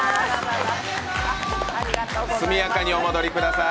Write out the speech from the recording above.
速やかにお戻りください。